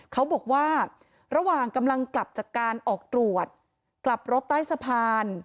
เขาบอกว่าระหว่างกำลังกลับจากการออกตรวจกลับรถใต้สะพาน